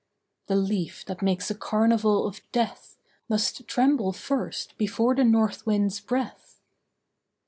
The leaf that makes a carnival of death Must tremble first before the north wind's breath.